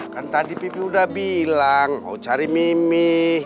kan tadi pimpin udah bilang mau cari mimi